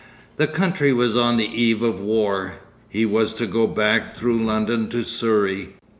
The country was on the eve of war. He was to go back through London to Surrey.